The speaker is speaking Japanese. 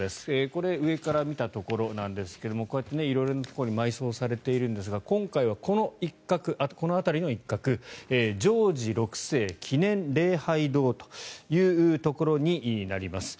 これ上から見たところなんですがこうやって色々なところに埋葬されているんですが今回はこの一角あとこの辺りの一角ジョージ６世記念礼拝堂というところになります。